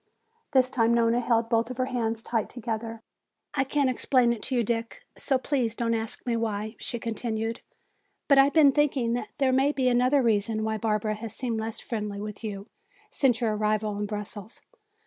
This time Nona held both her hands tight together. "I can't explain to you, Dick, so please don't ask me why," she continued. "But I have been thinking that there may be another reason why Barbara has seemed less friendly with you since your arrival in Brussels.